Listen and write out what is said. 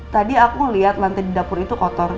tadi aku lihat lantai di dapur itu kotor